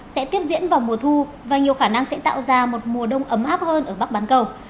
sẽ tiếp diễn vào mùa thu và nhiều khả năng sẽ tạo ra một mùa đông ấm áp hơn ở bắc bán cầu